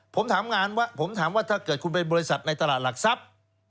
ผมถามงานว่าผมถามว่าถ้าเกิดคุณเป็นบริษัทในตลาดหลักทรัพย์